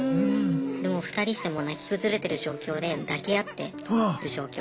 でもう２人してもう泣き崩れてる状況で抱き合ってる状況。